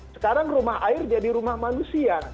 sekarang rumah air jadi rumah manusia